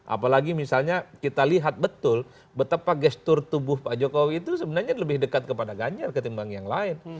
apalagi misalnya kita lihat betul betapa gestur tubuh pak jokowi itu sebenarnya lebih dekat kepada ganjar ketimbang yang lain